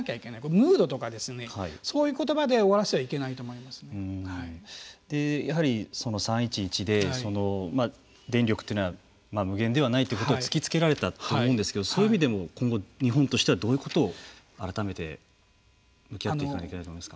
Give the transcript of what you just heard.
ムードとか、そういうことばで終わらせてはいけないとやはりその３・１１で電力というのは無限ではないということを突きつけられたと思うんですけどそういう意味でも今後日本としてはどういうことを改めて向き合っていかなければいけないないですか。